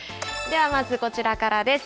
ではまずこちらからです。